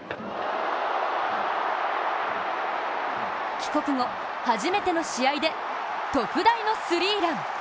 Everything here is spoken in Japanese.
帰国後初めての試合で特大のスリーラン。